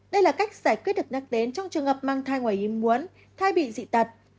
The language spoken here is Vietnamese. đây là cách giải quyết được nhắc đến trong trường hợp mang thai ngoài ý muốn thay bị dị tật